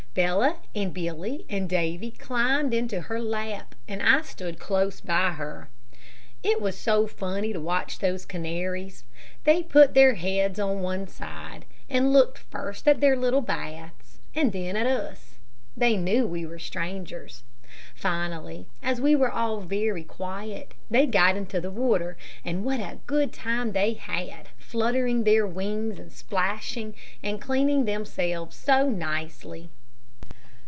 Bella, and Billy, and Davy climbed into her lap, and I stood close by her. It was so funny to watch those canaries. They put their heads on one side and looked first at their little baths and then at us. They knew we were strangers. Finally, as we were all very quiet, they got into the water; and what a good time they had, fluttering their wings and splashing, and cleaning themselves so nicely.